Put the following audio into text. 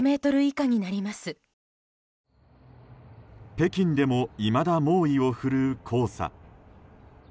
北京でもいまだ猛威を振るう黄砂。